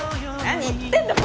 何言ってんだ！